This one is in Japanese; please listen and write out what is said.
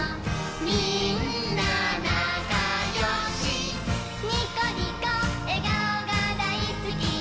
「みんななかよし」「ニコニコえがおがだいすき」